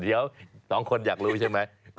เดี๋ยว๒คนอยากรู้ใช่ไหม